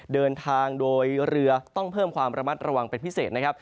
เดินทางโดยเรือต้องเพิ่มความระมัดระวังเป็นพิเศษนะครับ